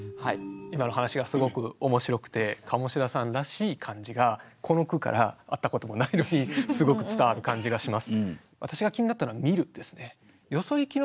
今の話がすごく面白くてカモシダさんらしい感じがこの句から会ったこともないのにすごく伝わる感じがします。